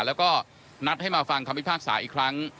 แล้วก็นัดให้มาฟังคำพิพากษาอีกครั้ง